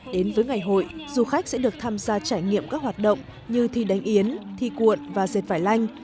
đến với ngày hội du khách sẽ được tham gia trải nghiệm các hoạt động như thi đánh yến thi cuộn và dệt vải lanh